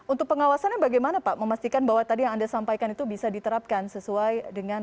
untuk pengawasannya bagaimana pak memastikan bahwa tadi yang anda sampaikan itu bisa diterapkan sesuai dengan